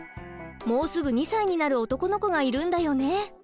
もうすぐ２歳になる男の子がいるんだよね。